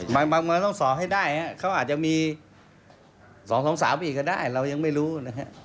มันมันมันมันต้องสอบให้ได้ฮะเขาอาจจะมี๒๒๓อีกก็ได้เรายังไม่รู้นะฮะ